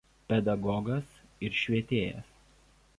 Pedagogas ir švietėjas.